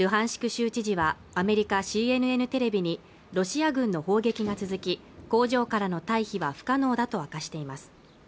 州知事はアメリカＣＮＮテレビにロシア軍の砲撃が続き工場からの退避は不可能だと明かしています